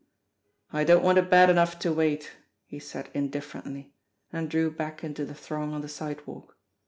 "I don't want it bad enough to wait," he said indifferently and drew back into the throng on the sidewalk.